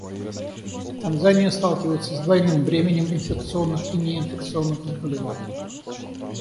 Танзания сталкивается с двойным бременем инфекционных и неинфекционных заболеваний.